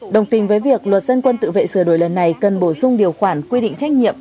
đồng tình với việc luật dân quân tự vệ sửa đổi lần này cần bổ sung điều khoản quy định trách nhiệm